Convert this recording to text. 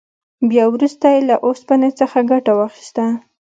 بیا وروسته یې له اوسپنې څخه ګټه واخیسته.